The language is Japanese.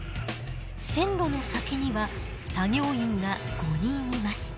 線路の先には作業員が５人います。